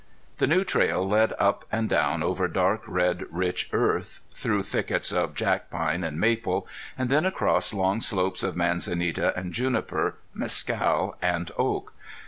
The new trail led up and down over dark red rich earth, through thickets of jack pine and maple, and then across long slopes of manzanita and juniper, mescal and oak.